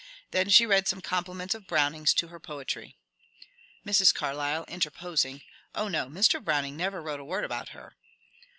Then she read some compliments of Browning's to her poetry. Mrs. Carlyle (interposing). Oh no, Mr. Browning never wrote a word about her.